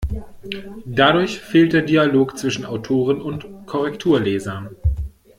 Dadurch fehlt der Dialog zwischen Autoren und Korrekturlesern.